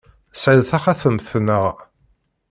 Tesɛiḍ taxatemt, naɣ?